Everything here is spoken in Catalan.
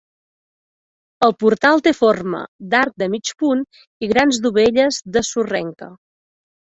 El portal té forma d'arc de mig punt i grans dovelles de sorrenca.